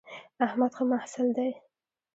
احمد ښه محصل دی